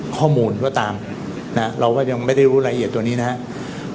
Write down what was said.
ข้อมูลตัวตามนะฮะเรายังไม่ได้รู้ละเอียดตัวนี้นะฮะ